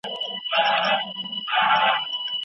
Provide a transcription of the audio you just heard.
ما څو ځله خوله چوله کړه چې له هغه اجازه وغواړم.